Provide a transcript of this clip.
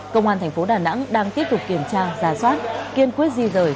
công an thành phố đà nẵng đang tiếp tục kiểm tra giả soát kiên quyết di rời